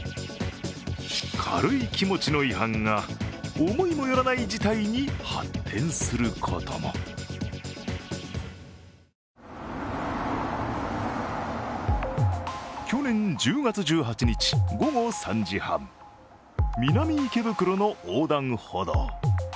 軽い気持ちの違反が思いも寄らない事態に発展することも去年１０月１８日、午後３時半、南池袋の横断歩道。